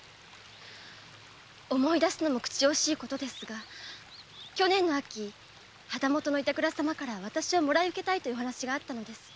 思い出すのも口惜しいことですが去年の秋旗本の板倉様から私を貰い受けたいという話があったのです。